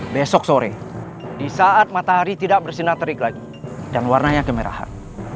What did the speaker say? besok sore di saat matahari tidak bersinark lagi dan warnanya kemerahan